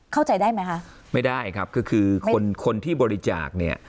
เข้าใจได้ไหมคะไม่ได้ครับคือคือคนคนที่บริจาคเนี่ย